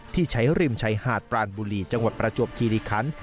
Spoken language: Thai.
ที่ใช้ริมชายหาดปรานบุรีจังหวัดประจวบคิริคัน